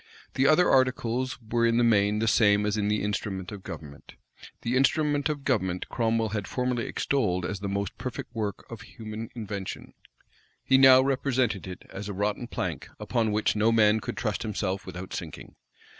The other articles were in the main the same as in the instrument of government. The instrument of government Cromwell had formerly extolled as the most perfect work of human invention: he now represented it as a rotten plank, upon which no man could trust himself without sinking.